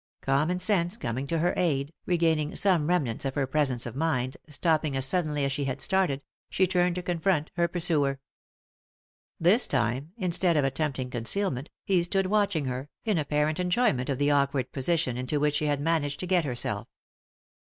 Common sense coming to 118 3i 9 iii^d by Google THE INTERRUPTED KISS her aid, regaining some remnants of her presence of mind, stopping as suddenly as she had started, she turned to confront her pursuer. This time, instead of attempting concealment, he stood watching her, in apparent enjoyment of the awkward position into which she had managed to get herself.